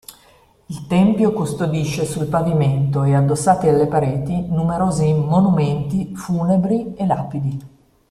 Il tempio custodisce sul pavimento e addossati alle pareti, numeroso monumenti funebri e lapidi.